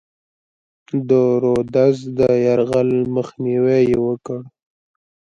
د رودز د یرغل مخنیوی یې وکړ.